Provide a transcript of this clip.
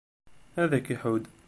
Ad k-iḥudd.